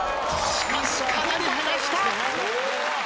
しかしかなり減らした。